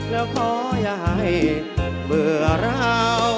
แล้วขออย่าให้เบื่อเรา